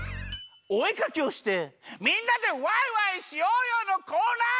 おえかきをしてみんなでワイワイしようよのコーナー！